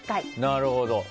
なるほど。